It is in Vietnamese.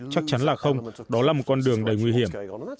chắc chắn là không đó là một con đường đầy nguy hiểm